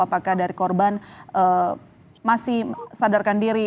apakah dari korban masih sadarkan diri